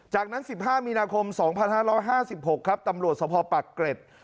จากนั้นสิบห้ามีนาคมสองพันห้าร้อยห้าสิบหกครับตำรวจสภพปรักเกร็จ